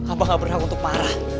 abah nggak berhak untuk marah